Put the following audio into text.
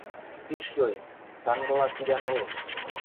Пиш йой, тангыла кидӓн ылеш.